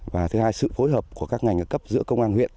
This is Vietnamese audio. và thứ hai sự phối hợp của các ngành ở cấp giữa công an huyện